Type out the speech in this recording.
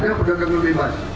tidak ada pendatang yang bebas